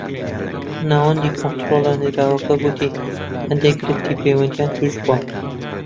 ناوەندی کۆنتڕۆڵی نێردراوەکە گوتی هەندێک گرفتی پەیوەندییان تووش بووە